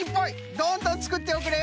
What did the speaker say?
どんどんつくっておくれ！